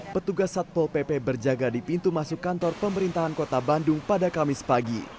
petugas satpol pp berjaga di pintu masuk kantor pemerintahan kota bandung pada kamis pagi